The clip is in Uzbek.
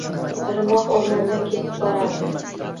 Irmoq oʻrmondan ketib borardi